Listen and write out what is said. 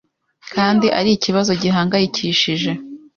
kandi ari ikibazo gihangayikishije.